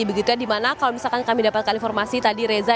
begitulah di mana kalau misalkan kami dapatkan informasi tadi reza